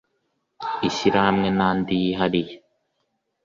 ishyirahamwe n’andi yihariye